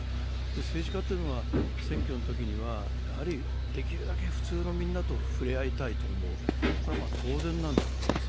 政治家というのは選挙のときにはできるだけ普通のみんなと触れ合いたいと思う、これは当然なんだと思います。